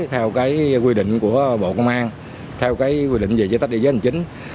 theo cái quy định của bộ công an theo cái quy định về giấy tách điện giới hành chính